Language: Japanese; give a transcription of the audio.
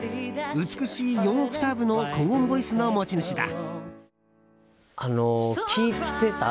美しい４オクターブの高音ボイスの持ち主だ。